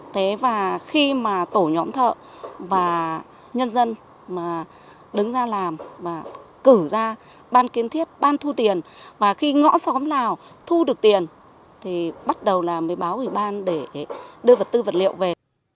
thế và khi mà tổ nhóm thợ và nhân dân mà đứng ra làm và cử ra ban kiến thiết ban thu tiền và khi ngõ xóm nào thu được tiền thì bắt đầu là mới báo ủy ban để đưa vật tư vật liệu về